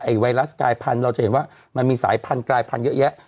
ไวรัสกายพันธุ์เราจะเห็นว่ามันมีสายพันธุกลายพันธุ์เยอะแยะ